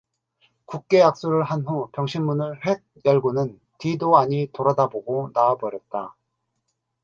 굳게 악수를 한 후 병실문을 홱 열고는 뒤도 아니 돌아다보고 나와 버렸다.